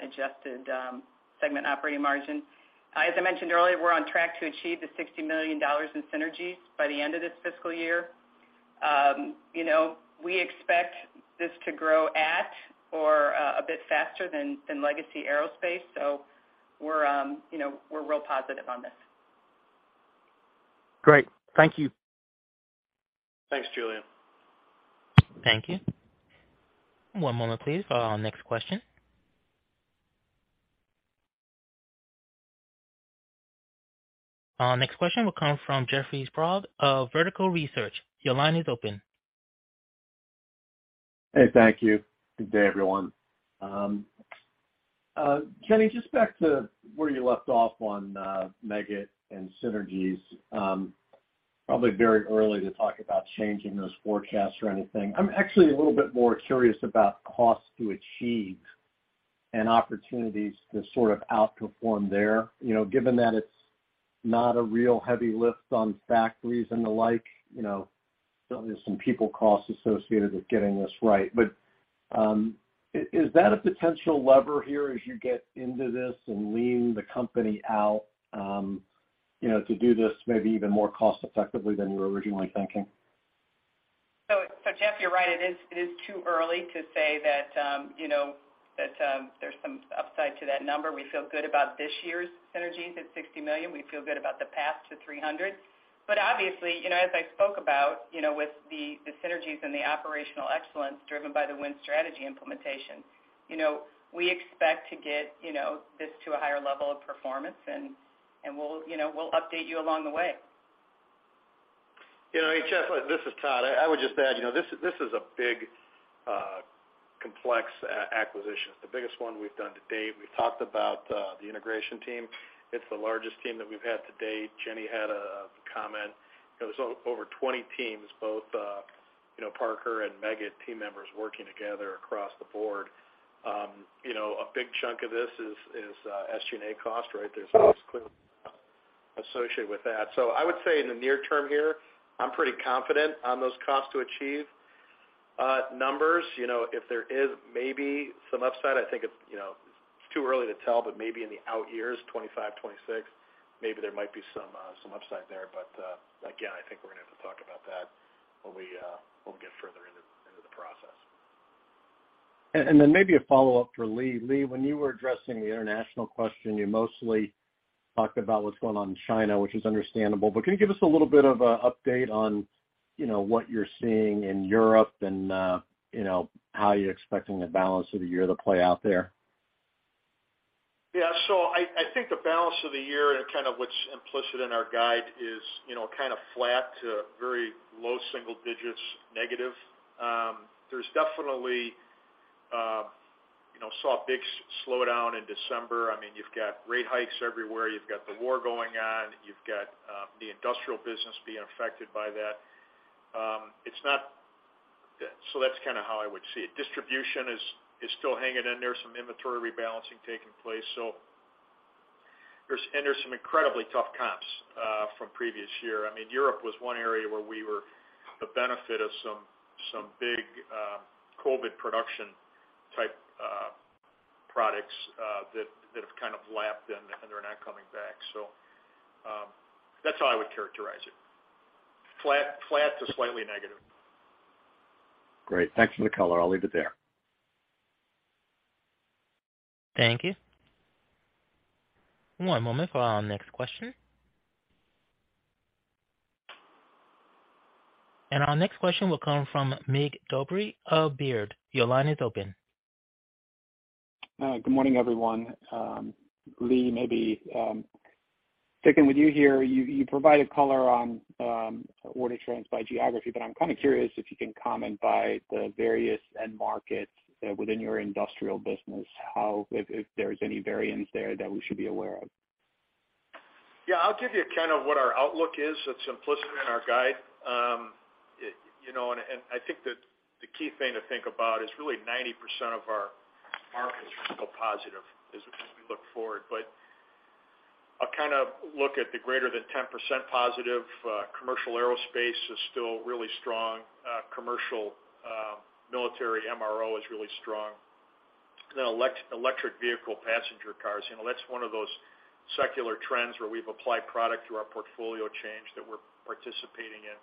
adjusted segment operating margin. As I mentioned earlier, we're on track to achieve the $60 million in synergies by the end of this fiscal year. You know, we expect this to grow at or a bit faster than legacy Aerospace. We're, you know, we're real positive on this. Great. Thank you. Thanks, Julian. Thank you. One moment, please, for our next question. Our next question will come from Jeffrey Sprague of Vertical Research. Your line is open. Hey, thank you. Good day, everyone. Jenny, just back to where you left off on Meggitt and synergies, probably very early to talk about changing those forecasts or anything. I'm actually a little bit more curious about costs to achieve and opportunities to sort of outperform there. You know, given that it's not a real heavy lift on factories and the like, you know, there's some people costs associated with getting this right. Is that a potential lever here as you get into this and lean the company out, you know, to do this maybe even more cost effectively than you were originally thinking? Jeff, you're right. It is too early to say that, you know, that, there's some upside to that number. We feel good about this year's synergies at $60 million. We feel good about the path to $300. Obviously, you know, as I spoke about, you know, with the synergies and the operational excellence driven by the Win Strategy implementation, you know, we expect to get, you know, this to a higher level of performance, and we'll, you know, we'll update you along the way. You know, hey, Jeff, this is Todd. I would just add, you know, this is a big, complex acquisition. It's the biggest one we've done to date. We've talked about the integration team. It's the largest team that we've had to date. Jenny had a comment. You know, there's over 20 teams, both, you know, Parker and Meggitt team members working together across the board. You know, a big chunk of this is SG&A cost, right? There's always clearly associated with that. I would say in the near-term here, I'm pretty confident on those costs to achieve. Numbers, you know, if there is maybe some upside, I think it's, you know, it's too early to tell, but maybe in the out years, 2025, 2026, maybe there might be some upside there. Again, I think we're gonna have to talk about that when we, when we get further into the process. Then maybe a follow-up for Lee. Lee, when you were addressing the international question, you mostly talked about what's going on in China, which is understandable. Can you give us a little bit of a update on, you know, what you're seeing in Europe and, you know, how you're expecting the balance of the year to play out there? I think the balance of the year and kind of what's implicit in our guide is, you know, kind of flat to very low single digits negative. There's definitely, you know, saw a big slowdown in December. I mean, you've got rate hikes everywhere. You've got the war going on. You've got the industrial business being affected by that. That's kind of how I would see it. Distribution is still hanging in there, some inventory rebalancing taking place. There's some incredibly tough comps from previous year. I mean, Europe was one area where we were the benefit of some big COVID production type products that have kind of lapped and they're not coming back. That's how I would characterize it. Flat, flat to slightly negative. Great. Thanks for the color. I'll leave it there. Thank you. One moment for our next question. Our next question will come from Mircea Dobre of Baird. Your line is open. Good morning, everyone. Lee, maybe sticking with you here. You provided color on order trends by geography, I'm kind of curious if you can comment by the various end markets within your industrial business, how if there's any variance there that we should be aware of? Yeah, I'll give you kind of what our outlook is that's implicit in our guide. you know, and I think the key thing to think about is really 90% of our markets are still positive as we look forward. I'll kind of look at the greater than 10% positive, commercial aerospace is still really strong. Commercial military MRO is really strong. Electric vehicle passenger cars, you know, that's one of those secular trends where we've applied product through our portfolio change that we're participating in.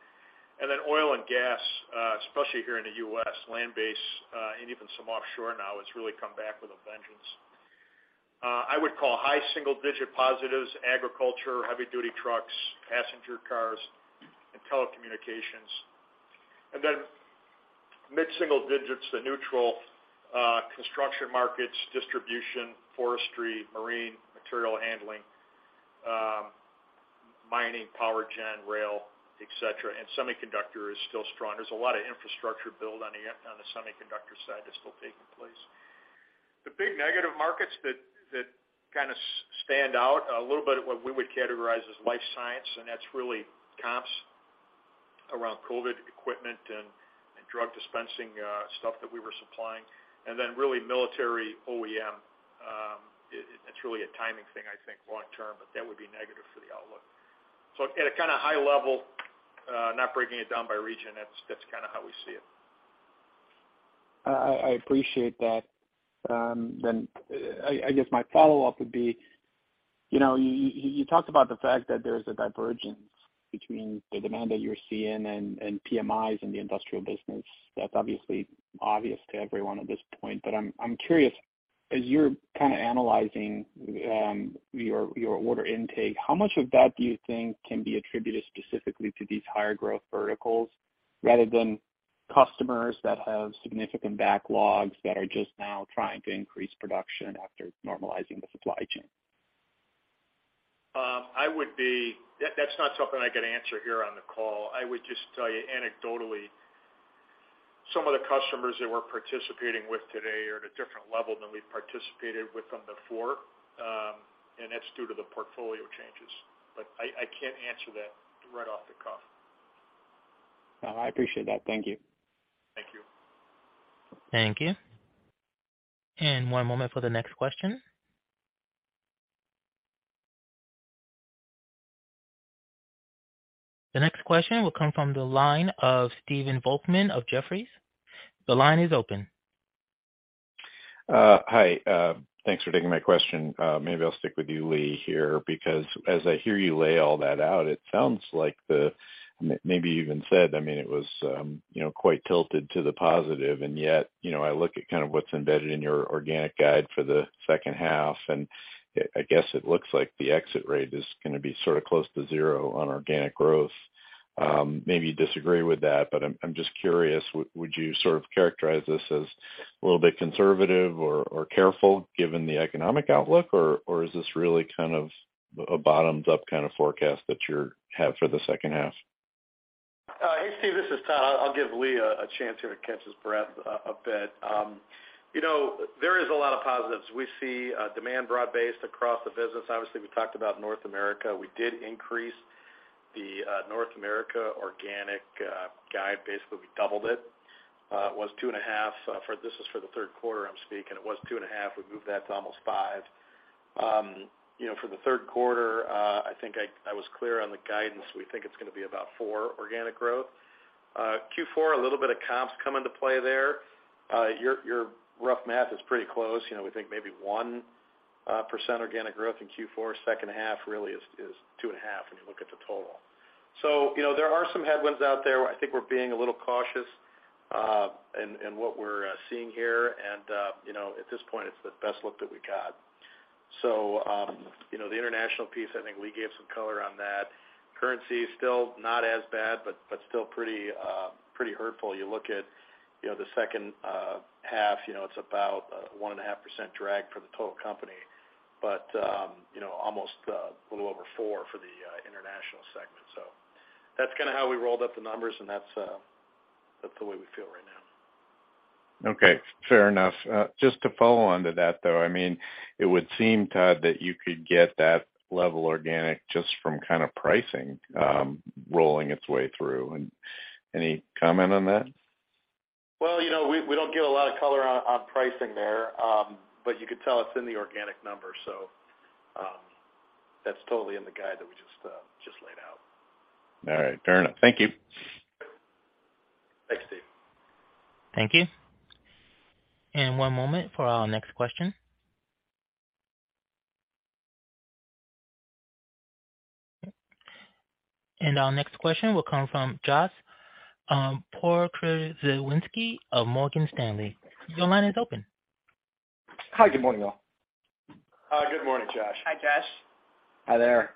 Oil and gas, especially here in the U.S., land-based, and even some offshore now, it's really come back with a vengeance. I would call high single digit positives agriculture, heavy duty trucks, passenger cars, and telecommunications. Then mid-single digits to neutral, construction markets, distribution, forestry, marine, material handling, mining, power gen, rail, et cetera, and semiconductor is still strong. There's a lot of infrastructure build on the semiconductor side that's still taking place. The big negative markets that kind of stand out a little bit what we would categorize as life science, and that's really comps around COVID equipment and drug dispensing, stuff that we were supplying. Then really military OEM, it's really a timing thing, I think long-term, but that would be negative for the outlook. At a kind of high level, not breaking it down by region, that's kind of how we see it. I appreciate that. I guess my follow-up would be, you know, you talked about the fact that there's a divergence between the demand that you're seeing and PMIs in the industrial business. That's obviously obvious to everyone at this point. I'm curious, as you're kind of analyzing, your order intake, how much of that do you think can be attributed specifically to these higher growth verticals rather than customers that have significant backlogs that are just now trying to increase production after normalizing the supply chain? That's not something I could answer here on the call. I would just tell you anecdotally, some of the customers that we're participating with today are at a different level than we participated with them before, and that's due to the portfolio changes. I can't answer that right off the cuff. No, I appreciate that. Thank you. Thank you. Thank you. One moment for the next question. The next question will come from the line of Stephen Volkmann of Jefferies. The line is open. Hi. Thanks for taking my question. Maybe I'll stick with you, Lee, here, because as I hear you lay all that out, it sounds like the maybe even said, I mean, it was, you know, quite tilted to the positive. Yet, you know, I look at kind of what's embedded in your organic guide for the second half, I guess it looks like the exit rate is gonna be sort of close to zero on organic growth. Maybe you disagree with that, but I'm just curious, would you sort of characterize this as a little bit conservative or careful given the economic outlook, or is this really kind of a bottom-up kind of forecast that you have for the second half? Hey, Steve, this is Todd. I'll give Lee a chance here to catch his breath a bit. You know, there is a lot of positives. We see demand broad-based across the business. Obviously, we talked about North America. We did increase the North America organic guide. Basically, we doubled it. It was 2.5. This is for the third quarter I'm speaking. It was 2.5. We moved that to almost five. You know, for the third quarter, I think I was clear on the guidance. We think it's gonna be about 4% organic growth. Q4, a little bit of comps come into play there. Your rough math is pretty close. You know, we think maybe 1% organic growth in Q4. Second half really is 2 and a half when you look at the total. You know, there are some headwinds out there. I think we're being a little cautious in what we're seeing here. You know, at this point, it's the best look that we got. You know, the international piece, I think Lee gave some color on that. Currency is still not as bad, but still pretty hurtful. You look at, you know, the second half, you know, it's about 1 and a half% drag for the total company. You know, almost a little over 4 for the international segment. That's kind of how we rolled up the numbers, and that's the way we feel right now. Okay, fair enough. Just to follow on to that, though, I mean, it would seem, Todd, that you could get that level organic just from kind of pricing, rolling its way through. Any comment on that? You know, we don't give a lot of color on pricing there. You could tell it's in the organic number, so, that's totally in the guide that we just laid out. All right, fair enough. Thank you. Thanks, Steve. Thank you. One moment for our next question. Our next question will come from Joshua Pokrzywinski of Morgan Stanley. Your line is open. Hi, good morning, all. Good morning, Josh. Hi, Josh. Hi there.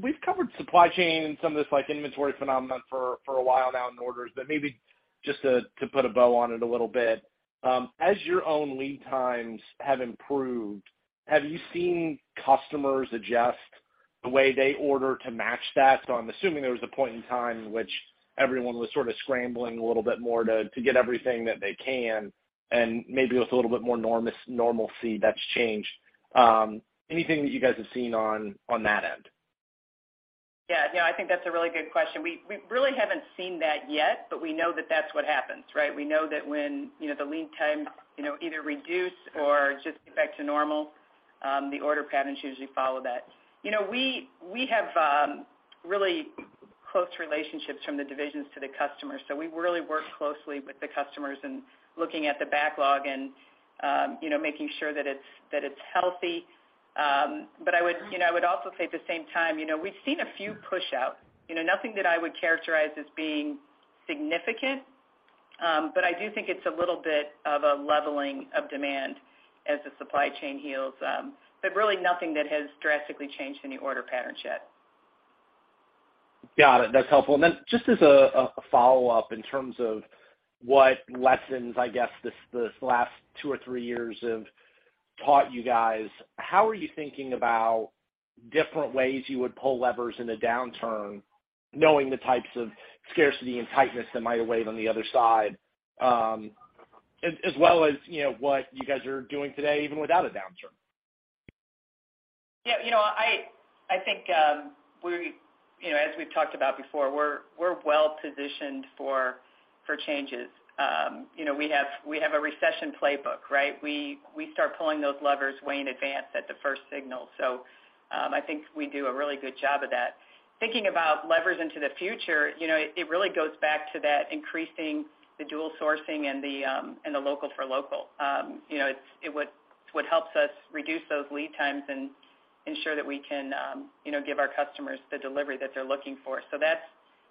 We've covered supply chain and some of this like inventory phenomenon for a while now in orders. Maybe just to put a bow on it a little bit, as your own lead times have improved, have you seen customers adjust the way they order to match that? I'm assuming there was a point in time in which everyone was sort of scrambling a little bit more to get everything that they can, and maybe with a little bit more normalcy that's changed. Anything that you guys have seen on that end? Yeah, no, I think that's a really good question. We really haven't seen that yet, we know that that's what happens, right? We know that when, you know, the lead times, you know, either reduce or just get back to normal, the order patterns usually follow that. You know, we have really close relationships from the divisions to the customers, we really work closely with the customers and looking at the backlog and, you know, making sure that it's, that it's healthy. I would, you know, I would also say at the same time, you know, we've seen a few push out, you know, nothing that I would characterize as being significant. I do think it's a little bit of a leveling of demand as the supply chain heals. Really nothing that has drastically changed any order patterns yet. Got it. That's helpful. Just as a follow-up in terms of what lessons, I guess, this last two or three years have taught you guys, how are you thinking about different ways you would pull levers in a downturn, knowing the types of scarcity and tightness that might await on the other side, as well as, you know, what you guys are doing today even without a downturn? Yeah. You know, I think, you know, as we've talked about before, we're well positioned for changes. You know, we have, we have a recession playbook, right? We, we start pulling those levers way in advance at the first signal. I think we do a really good job of that. Thinking about levers into the future, you know, it really goes back to that increasing the dual sourcing and the, and the local for local. You know, it's what helps us reduce those lead times and ensure that we can, you know, give our customers the delivery that they're looking for. That's,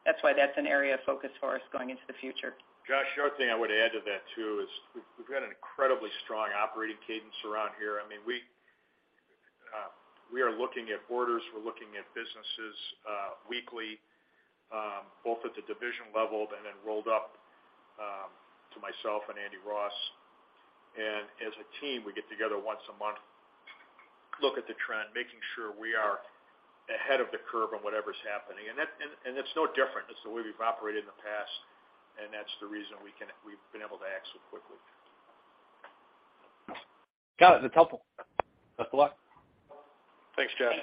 that's why that's an area of focus for us going into the future. Josh, the other thing I would add to that, too, is we've got an incredibly strong operating cadence around here. I mean, we are looking at orders, we're looking at businesses weekly, both at the division level and then rolled up to myself and Andrew Ross. As a team, we get together once a month, look at the trend, making sure we are ahead of the curve on whatever's happening. It's no different. It's the way we've operated in the past, and that's the reason we've been able to act so quickly. Got it. That's helpful. Best of luck. Thanks, Josh.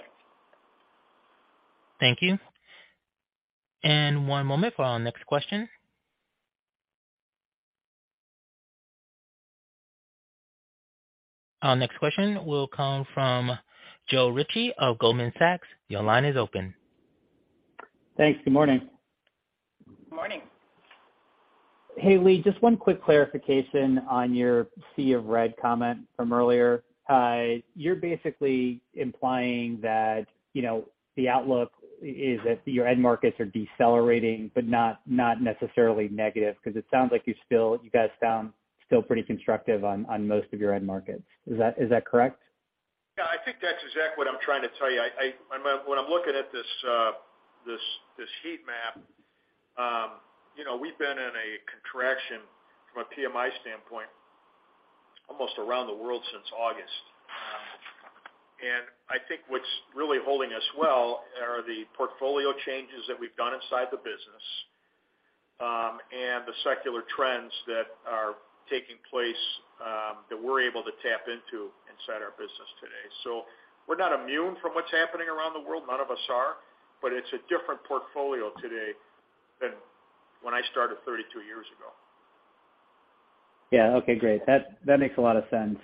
Thank you. One moment for our next question. Our next question will come from Joe Ritchie of Goldman Sachs. Your line is open. Thanks. Good morning. Good morning. Hey, Lee, just one quick clarification on your sea of red comment from earlier. You're basically implying that, you know, the outlook is that your end markets are decelerating but not necessarily negative, 'cause it sounds like you guys sound still pretty constructive on most of your end markets. Is that correct? Yeah, I think that's exactly what I'm trying to tell you. When I'm looking at this heat map, you know, we've been in a contraction from a PMI standpoint almost around the world since August. I think what's really holding us well are the portfolio changes that we've done inside the business, the secular trends that are taking place, that we're able to tap into inside our business today. We're not immune from what's happening around the world. None of us are. It's a different portfolio today than when I started 32 years ago. Yeah. Okay, great. That makes a lot of sense.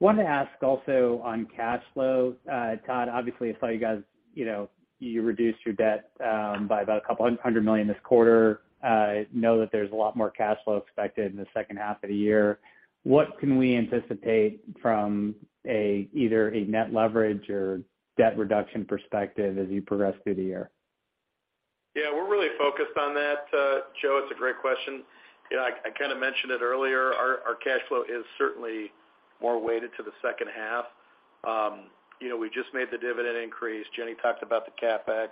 Wanted to ask also on cash flow, Todd, obviously I saw you guys, you know, you reduced your debt by about a couple hundred million dollars this quarter. Know that there's a lot more cash flow expected in the second half of the year. What can we anticipate from a, either a net leverage or debt reduction perspective as you progress through the year? Yeah, we're really focused on that, Joe. It's a great question. You know, I kinda mentioned it earlier. Our, our cash flow is certainly more weighted to the second half. You know, we just made the dividend increase. Jenny talked about the CapEx.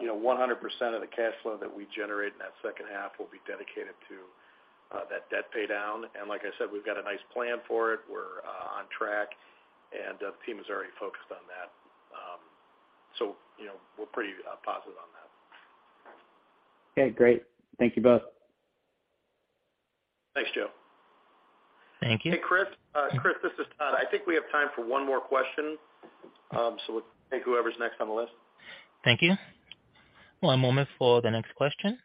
You know, 100% of the cash flow that we generate in that second half will be dedicated to that debt pay down. Like I said, we've got a nice plan for it. We're on track, and the team is already focused on that. You know, we're pretty positive on that. Okay, great. Thank you both. Thanks, Joe. Thank you. Hey, Chris. Chris, this is Todd. I think we have time for one more question. We'll take whoever's next on the list. Thank you. One moment for the next question.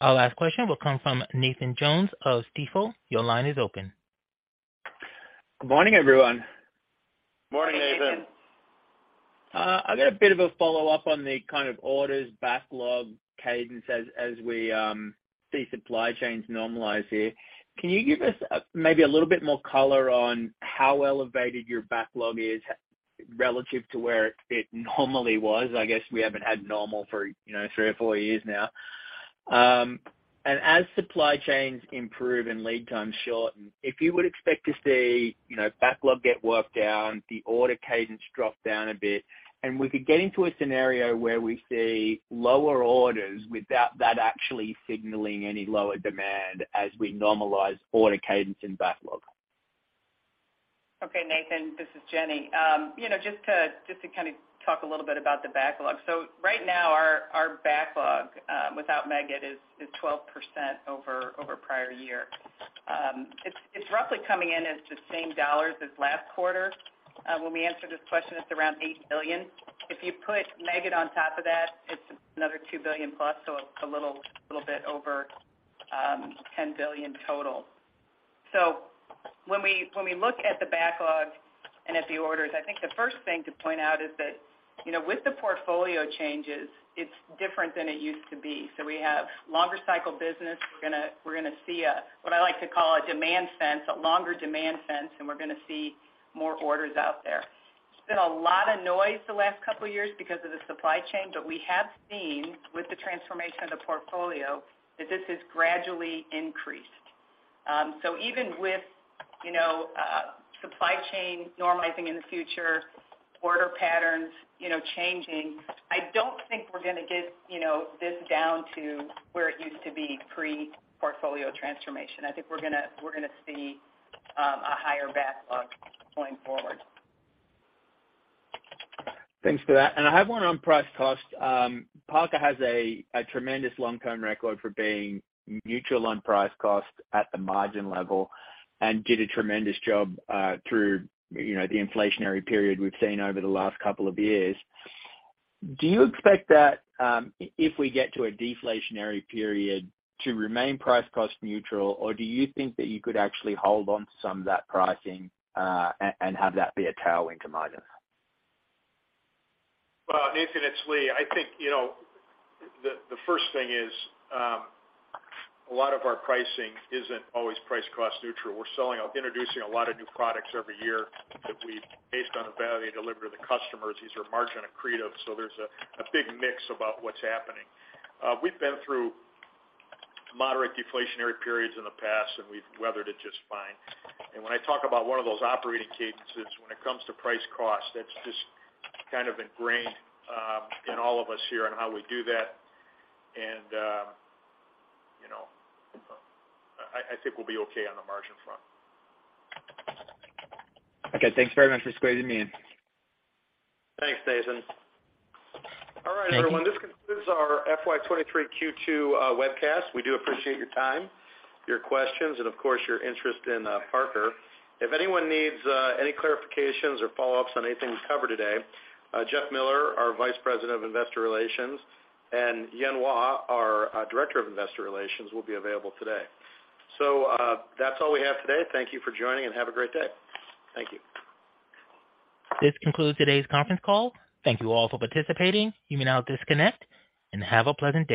Our last question will come from Nathan Jones of Stifel. Your line is open. Good morning, everyone. Morning, Nathan. Morning, Nathan. I've got a bit of a follow-up on the kind of orders backlog cadence as we see supply chains normalize here. Can you give us maybe a little bit more color on how elevated your backlog is relative to where it normally was? I guess we haven't had normal for, you know, three or four years now. As supply chains improve and lead times shorten, if you would expect to see, you know, backlog get worked down, the order cadence drop down a bit, and we could get into a scenario where we see lower orders without that actually signaling any lower demand as we normalize order cadence and backlog. Okay, Nathan, this is Jenny. You know, just to kinda talk a little bit about the backlog. Right now, our backlog without Meggitt is 12% over prior year. It's roughly coming in as the same dollars as last quarter. When we answer this question, it's around $8 billion. If you put Meggitt on top of that, it's another $2 billion plus, a little bit over $10 billion total. When we look at the backlog and at the orders, I think the first thing to point out is that, you know, with the portfolio changes, it's different than it used to be. We have longer cycle business. We're gonna see a what I like to call a demand fence, a longer demand fence, and we're gonna see more orders out there. There's been a lot of noise the last couple years because of the supply chain, but we have seen with the transformation of the portfolio that this has gradually increased. Even with, you know, supply chain normalizing in the future, order patterns, you know, changing, I don't think we're gonna get, you know, this down to where it used to be pre-portfolio transformation. I think we're gonna see a higher backlog going forward. Thanks for that. I have one on price cost. Parker has a tremendous long-term record for being mutual on price cost at the margin level and did a tremendous job through, you know, the inflationary period we've seen over the last couple of years. Do you expect that if we get to a deflationary period, to remain price cost neutral, or do you think that you could actually hold on to some of that pricing and have that be a tailwind to margin? Well, Nathan, it's Lee. I think, you know, the first thing is, a lot of our pricing isn't always price cost neutral. We're selling or introducing a lot of new products every year that we, based on the value delivered to the customers, these are margin accretive, so there's a big mix about what's happening. We've been through moderate deflationary periods in the past, and we've weathered it just fine. When I talk about one of those operating cadences, when it comes to price cost, that's just kind of ingrained in all of us here on how we do that. You know, I think we'll be okay on the margin front. Okay, thanks very much for squeezing me in. Thanks, Nathan. All right, everyone. This concludes our FY 2023 Q2 webcast. We do appreciate your time, your questions, and of course, your interest in Parker. If anyone needs any clarifications or follow-ups on anything we covered today, Jeff Miller, our Vice President of Investor Relations, and Yan Huo, our Director of Investor Relations, will be available today. That's all we have today. Thank you for joining, and have a great day. Thank you. This concludes today's conference call. Thank you all for participating. You may now disconnect and have a pleasant day.